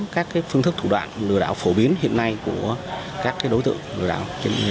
công an cao